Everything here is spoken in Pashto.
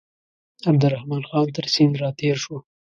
عبدالرحمن خان تر سیند را تېر شو.